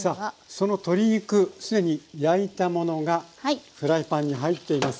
その鶏肉既に焼いたものがフライパンに入っています。